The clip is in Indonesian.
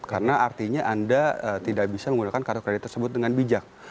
karena artinya anda tidak bisa menggunakan kartu kredit tersebut dengan bijak